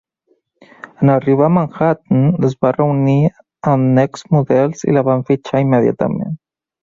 En arribar a Manhattan, es va reunir amb Next Models i la van fitxar immediatament.